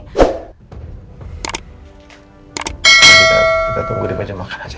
kita tunggu di meja makan aja ya